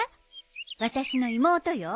私の妹よ。